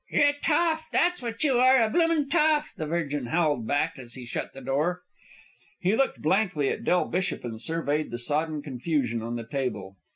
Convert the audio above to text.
"You're a toff! That's wot you are, a bloomin' toff!" the Virgin howled back as he shut the door. He looked blankly at Del Bishop and surveyed the sodden confusion on the table.